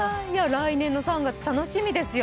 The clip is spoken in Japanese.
来年の３月、楽しみですよ。